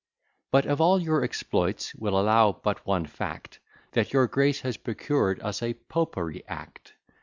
But of all your exploits, we'll allow but one fact, That your Grace has procured us a Popery Act.